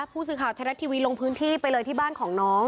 ผู้สื่อข่าวไทยรัฐทีวีลงพื้นที่ไปเลยที่บ้านของน้อง